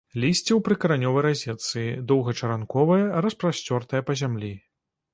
Лісце ў прыкаранёвай разетцы, доўгачаранковае, распасцёртае па зямлі.